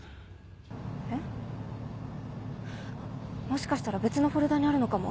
もしかしたら別のフォルダにあるのかも。